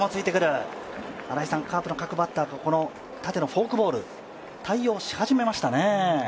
カープの各バッターが縦のフォークボールに対応し始めましたね。